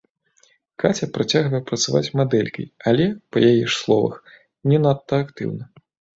Каця працягвае працаваць мадэлькай, але, па яе ж словах, не надта актыўна.